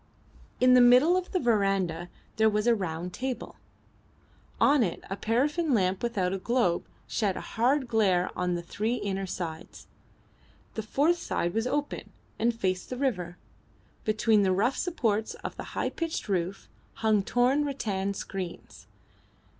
In the middle of the verandah there was a round table. On it a paraffin lamp without a globe shed a hard glare on the three inner sides. The fourth side was open, and faced the river. Between the rough supports of the high pitched roof hung torn rattan screens.